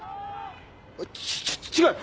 ち違う！